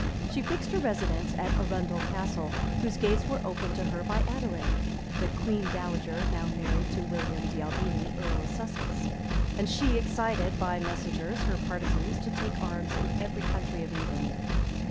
She fixed her residence at Arundel Castle, whose gates were opened to her by Adelais, the queen dowager, now married to William de Albini, earl of Sussex; and she excited, by messengers, her partisans to take arms in every county of England.